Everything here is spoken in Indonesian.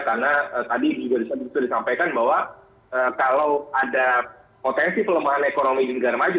karena tadi juga sudah disampaikan bahwa kalau ada potensi pelemahan ekonomi di negara maju